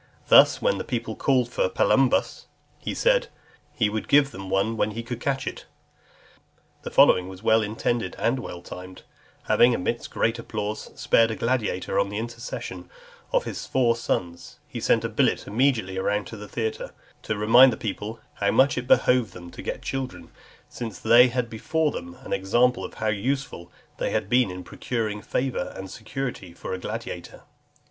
Thus, when the people called for Palumbus , he said, "He would give them one when he could catch it." The following was well intended, and well timed; having, amidst great applause, spared a gladiator, on the intercession of his four sons, he sent a billet immediately round the theatre, to remind the people, "how much it behoved them to get children, since they had before them an example how useful they had been in procuring favour and security for a gladiator."